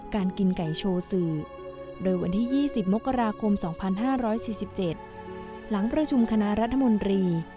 กินไก่โชว์สื่อโดยวันที่๒๐มกราคม๒๕๔๗หลังประชุมคณะรัฐมนตรี